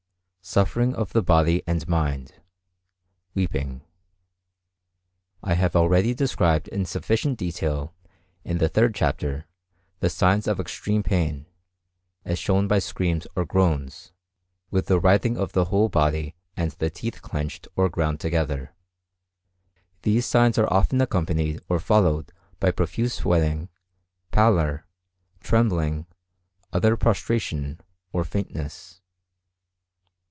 Suffering of the body and mind: weeping.—I have already described in sufficient detail, in the third chapter, the signs of extreme pain, as shown by screams or groans, with the writhing of the whole body and the teeth clenched or ground together. These signs are often accompanied or followed by profuse sweating, pallor, trembling, utter prostration, or faintness.